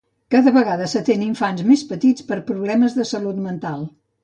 Cada vegada s'atén infants més petits per problemes de salut mental.